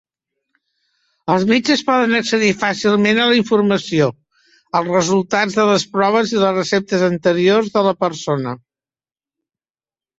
Els metges poden accedir fàcilment a la informació, els resultats de les proves i les receptes anteriors de la persona.